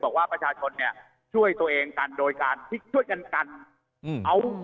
บอกว่าประชาชนช่วยตัวเองกันโดยการช่วยกันกัน